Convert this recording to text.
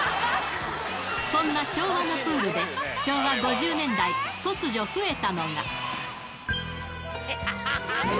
そんな昭和のプールで、昭和５０年代、突如、増えたのが。